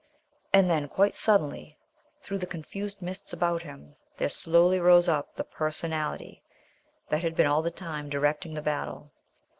And then quite suddenly, through the confused mists about him, there slowly rose up the Personality that had been all the time directing the battle.